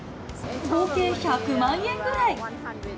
合計１００万円ぐらい。